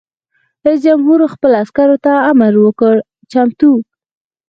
رئیس جمهور خپلو عسکرو ته امر وکړ؛ چمتو!